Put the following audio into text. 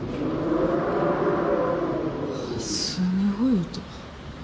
すごい音。